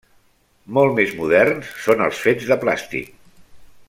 Molt més moderns són els fets de plàstic.